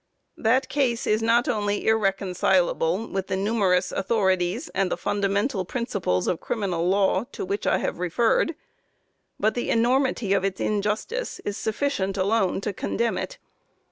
That case is not only irreconcilable with the numerous authorities and the fundamental principles of criminal law to which I have referred, but the enormity of its injustice is sufficient alone to condemn it.